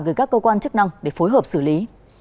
gửi các cơ quan chức năng để phối hợp xử lý